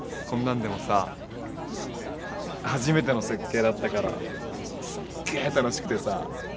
こんなんでもさ初めての設計だったからすっげえ楽しくてさ。